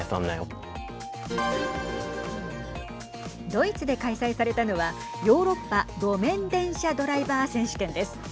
ドイツで開催されたのはヨーロッパ路面電車ドライバー選手権です。